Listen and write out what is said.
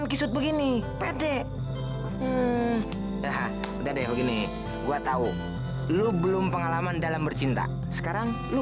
kisut begini pede daha udah deh begini gua tahu lu belum pengalaman dalam bercinta sekarang lo